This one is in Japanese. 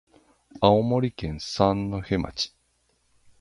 青森県三戸町